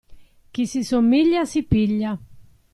Chi si somiglia, si piglia.